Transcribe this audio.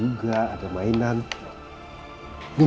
ini adalah britain hill fields dua